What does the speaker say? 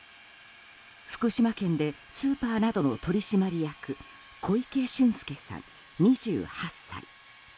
福島県でスーパーなどの取締役小池駿介さん、２８歳。